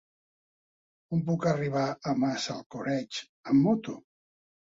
Com puc arribar a Massalcoreig amb moto?